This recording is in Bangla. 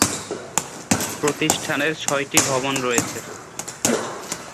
প্রতিষ্ঠানের ছয়টি ভবন রয়েছে।